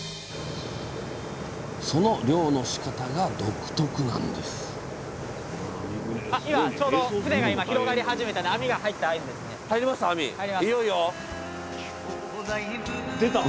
その漁のしかたが独特なんです入りました？